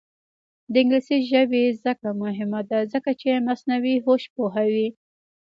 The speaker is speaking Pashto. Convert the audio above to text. د انګلیسي ژبې زده کړه مهمه ده ځکه چې مصنوعي هوش پوهوي.